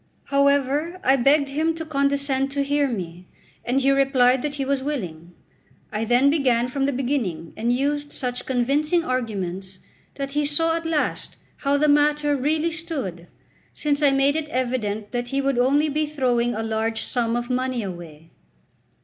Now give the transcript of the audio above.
However, I begged him to condescend to hear me, and he replied that he was willing. I then began from the beginning, and used such convincing arguments that he saw at last how the matter really stood, since I made it evident that he would only be throwing a large sum of money away.